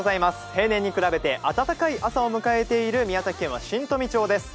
平年に比べて暖かい朝を迎えている宮崎県新富町です。